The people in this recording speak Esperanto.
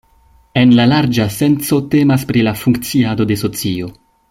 En la larĝa senco temas pri la funkciado de socio.